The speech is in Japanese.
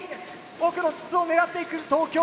奥の筒を狙っていく東京Ｂ。